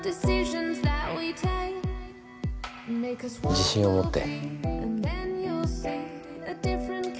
自信を持って。